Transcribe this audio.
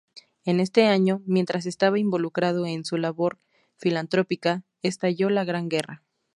En este año, mientras estaba involucrado en su labor filantrópica estalló la gran guerra.